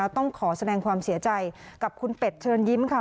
ต้องขอแสดงความเสียใจกับคุณเป็ดเชิญยิ้มค่ะ